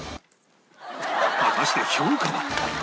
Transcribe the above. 果たして評価は？